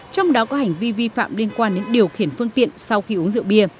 trong đó có hành vi vi phạm liên quan đến điều khiển phương tiện sau khi uống rượu bia